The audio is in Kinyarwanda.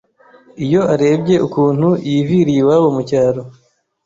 iyo arebye ukuntu yiviriye iwabo mu cyaro,